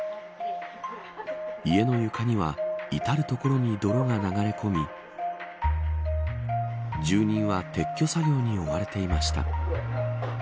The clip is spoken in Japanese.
家の床には至る所に泥が流れ込み住人は撤去作業に追われていました。